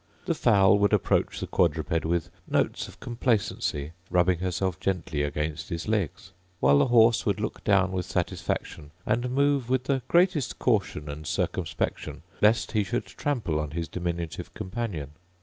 The fowl would approach the quadruped with notes of complacency, rubbing herself gently against his legs; while the horse would look down with satisfaction, and move with the greatest caution and circumspection, lest he should trample on his diminutive companion.